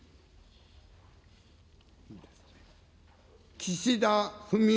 岸田文雄